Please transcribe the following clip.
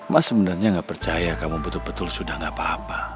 mas sebenarnya nggak percaya kamu betul betul sudah tidak apa apa